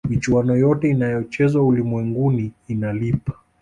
michuano yote inayochezwa ulimwenguni inalipa